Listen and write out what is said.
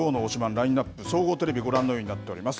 ラインナップ、総合テレビ、ご覧のようになっています。